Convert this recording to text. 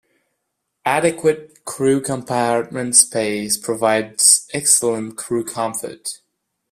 Adequate crew compartment space provides excellent crew comfort.